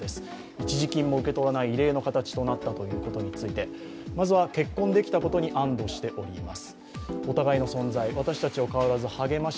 一時金も受け取らない異例の形となったことについてまずは結婚できたことに安堵しております。